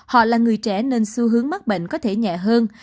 họ là người trẻ nên xu hướng mắc bệnh có thể nhẹ hơn